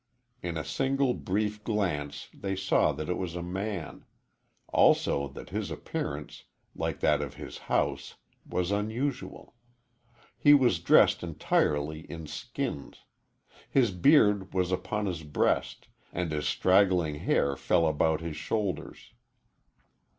In a single brief glance they saw that it was a man also that his appearance, like that of his house, was unusual. He was dressed entirely in skins. His beard was upon his breast, and his straggling hair fell about his shoulders.